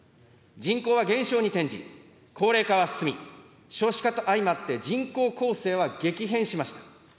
人口は減少に転じ、高齢化は進み、少子化と相まって人口構成は激変しました。